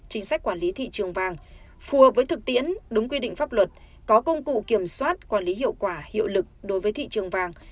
chính sách quản lý thị trường vàng phù hợp với thực tiễn đúng quy định pháp luật có công cụ kiểm soát quản lý hiệu quả hiệu lực đối với thị trường vàng